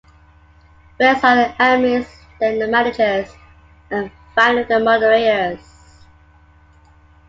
First are the Admins, then the Managers, and finally the Moderators.